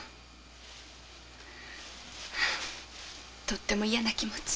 とっても嫌ぁな気持ち。